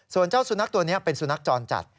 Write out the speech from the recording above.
ส่วนเจ้าสุนัขตัวนี้เป็นสุนัขจรจัด